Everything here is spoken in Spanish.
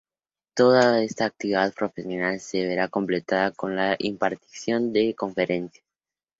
Toda esta actividad profesional se verá completada con la impartición de conferencias.